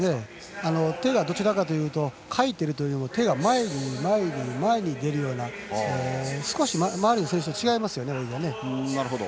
手がどちらかというとかいているというより前に出るような少し周りの選手と違いますよね、泳ぎが。